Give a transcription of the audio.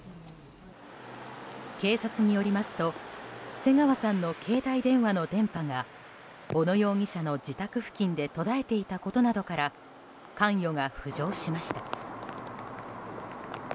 警察によりますと瀬川さんの携帯電話の電波が小野容疑者の自宅付近で途絶えていたことなどから関与が浮上しました。